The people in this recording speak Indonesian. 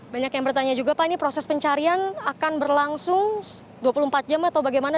banyak yang bertanya juga pak ini proses pencarian akan berlangsung dua puluh empat jam atau bagaimana